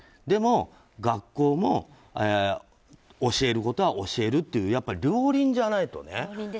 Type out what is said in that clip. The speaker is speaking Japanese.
でも、学校も教えることは教えるっていう両輪じゃないとね。